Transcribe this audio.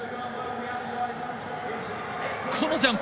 このジャンプ。